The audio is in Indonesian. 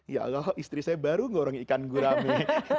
ya allah istri saya baru ngorong ikan gurame